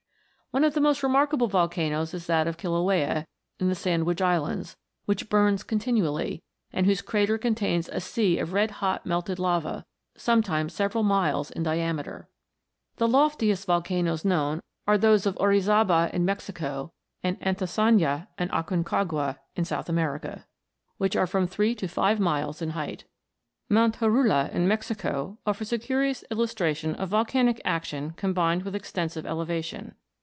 One of the most remarkable volcanoes is that of Kilauea, in the Sandwich Islands, which burns con tinually, and whose crater contains a sea of red hot melted lava, sometimes several miles in diameter. The loftiest volcanoes known are those of Orizaba in Mexico, and Antisana and Aconagua in South America, which are from three to five miles in height. PLUTO'S KINGDOM. 293 Mount Jorutto, in Mexico, affords a curious illus tration of volca nic action combined with extensive elevation.